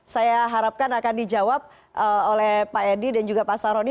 saya harapkan akan dijawab oleh pak edi dan juga pak saroni